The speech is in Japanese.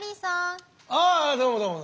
ああどうもどうも。